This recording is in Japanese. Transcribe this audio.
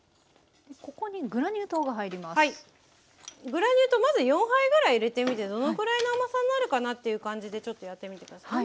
グラニュー糖まず４杯ぐらい入れてみてどのぐらいの甘さになるかなっていう感じでちょっとやってみて下さい。